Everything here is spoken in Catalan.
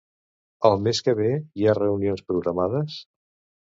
El mes que ve hi ha reunions programades?